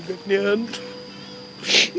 megan ke belanda ya